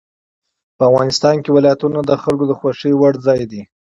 افغانستان کې ولایتونه د خلکو خوښې وړ ځای دی.